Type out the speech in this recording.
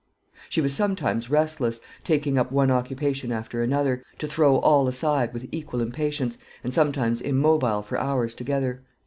She was sometimes restless, taking up one occupation after another, to throw all aside with equal impatience, and sometimes immobile for hours together.